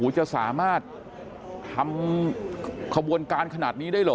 จะสามารถทำขบวนการขนาดนี้ได้เหรอ